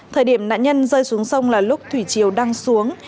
thời điểm nạn nhân rơi xuống sông là lúc thủy triều đăng xuống